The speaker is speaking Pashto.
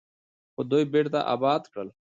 خو دوی بیرته اباد کړل.